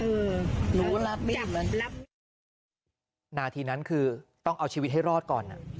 หนูรับมีดมันนาทีนั้นคือต้องเอาชีวิตให้รอดก่อนอะ